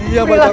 ya mbak jamrong